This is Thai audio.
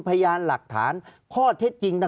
ภารกิจสรรค์ภารกิจสรรค์